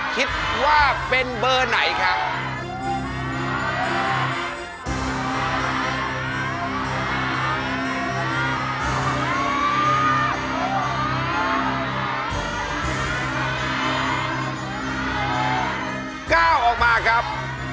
คิดว่าเป็นเบอร์ไหนครับ